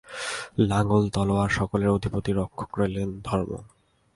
লাঙ্গল, তলওয়ার সকলের অধিপতি রক্ষক রইলেন ধর্ম।